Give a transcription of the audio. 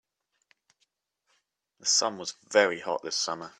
The sun was very hot this summer.